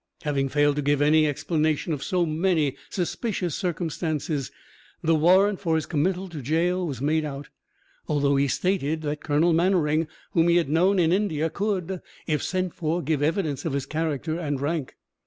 Having failed to give any explanation of so many suspicious circumstances, the warrant for his committal to gaol was made out, although he stated that Colonel Mannering, whom he had known in India, could, if sent for, give evidence of his character and rank.